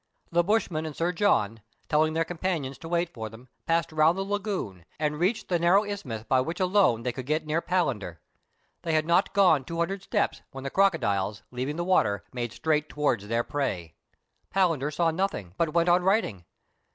The bushman and Sir John, telling their companions to wait for them, passed round the lagoon, and reached the narrow isthmus by which alone they could get near Palander. They had not gone two hundred steps, when the crocodiles, leaving the water, made straight towards their prey. Palan der saw nothing, but went on writing.